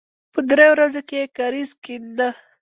په دریو ورځو کې یې کاریز کېنده.